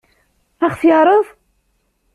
Ad ɣ-t-yeɛṛeḍ?